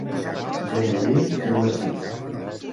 Gent de vi, gent mesquí.